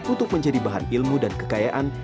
untuk menjadi bahan ilmu dan kekayaan